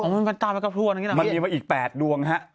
โหมันตามไปกับทั่วมันมีมาอีก๘ดวงฮะ